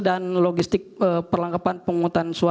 dan logistik perlengkapan penguatan